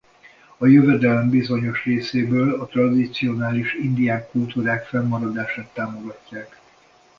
A jövedelem bizonyos részéből a tradicionális indián kultúrák fennmaradását támogatják.